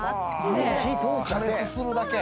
加熱するだけ。